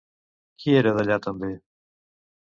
Qui era d'allà també?